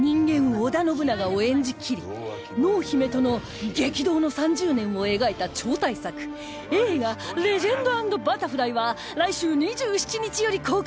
織田信長を演じきり濃姫との激動の３０年を描いた超大作映画『レジェンド＆バタフライ』は来週２７日より公開